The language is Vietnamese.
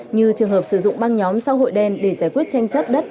như trường hợp sử dụng băng nhóm xã hội đen để giải quyết tranh chấp đất